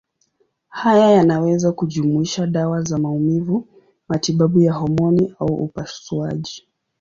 Haya yanaweza kujumuisha dawa za maumivu, matibabu ya homoni au upasuaji.